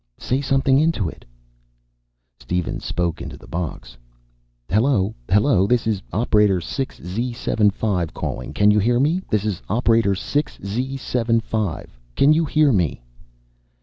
"Say something into it." Steven spoke into the box. "Hello! Hello! This is operator 6 Z75 calling. Can you hear me? This is operator 6 Z75. Can you hear me?"